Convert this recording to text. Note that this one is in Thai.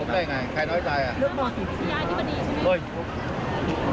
คุณมีตัวต่อเหนียวคะและรัฐสุริยาฯกระเตศนี่ยังมีสินอย่างสุดยอด